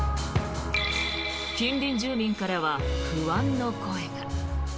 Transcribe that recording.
近隣住民からは不安の声が。